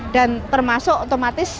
dan termasuk otomatis